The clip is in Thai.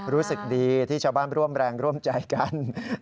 รู้สึกดีที่ชาวบ้านร่วมแรงร่วมใจกัน